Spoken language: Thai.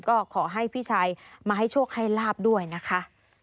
ก็ขอให้พี่ชัยมาให้โชคให้ลาบด้วยนะคะ